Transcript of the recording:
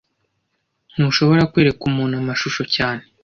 Ntushobora kwereka umuntu amashusho cyane